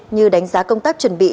như đánh giá công tác chuẩn bị